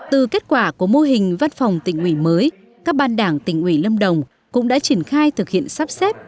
từ kết quả của mô hình văn phòng tỉnh ủy mới các ban đảng tỉnh ủy lâm đồng cũng đã triển khai thực hiện sắp xếp